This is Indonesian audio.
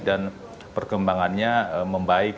dan perkembangannya membaik